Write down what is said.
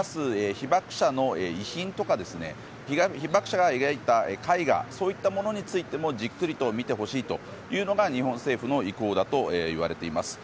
被爆者の遺品とか被爆者が描いた絵画といったものについてもじっくりと見てほしいというのが日本政府の意向だといわれています。